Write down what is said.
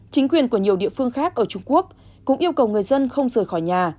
chính quyền của nhiều địa phương khác ở trung quốc cũng yêu cầu người dân không rời khỏi nhà